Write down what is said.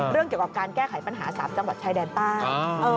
เรื่องเกี่ยวกับการแก้ไขปัญหาสารจังหวัดชายแดนต้าน